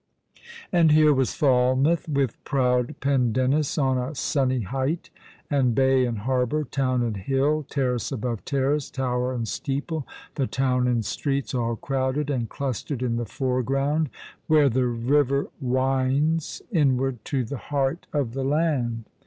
And here was Falmouth, with proud Pendennis on a sunny height, and bay and harbour, town and hill, terrace above terrace, tower and steeple — the town and streets all crowded and clustered in the foreground, where the river winds in ward to the heart of the land.